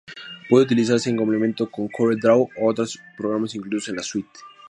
Puede utilizarse en complemento con Corel Draw u otros programas incluidos en la suite.